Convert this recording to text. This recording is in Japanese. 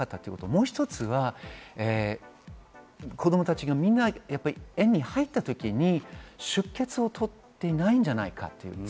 もう一つは子供たちがみんな園に入った時に出欠を取っていないんじゃないかということ。